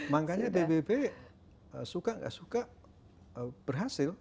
makanya dpp suka gak suka berhasil